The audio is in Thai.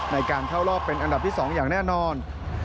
ในการเข้ารอบเป็นอันดับที่๒อย่างแน่นอน